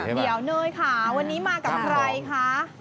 เดี๋ยวเนยค่ะวันนี้มากับใครคะ